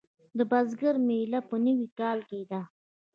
د بزګر میله په نوي کال کې ده.